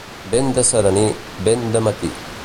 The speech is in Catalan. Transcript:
Vent de serení, vent de matí.